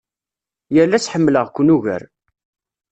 Yal ass ḥemmleɣ-ken ugar.